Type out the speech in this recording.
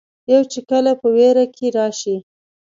يو چې کله پۀ وېره کښې راشي